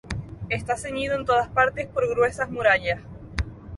Está ceñido en todas partes por gruesas murallas.